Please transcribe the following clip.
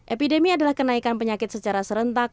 epidemi adalah kenaikan penyakit secara serentak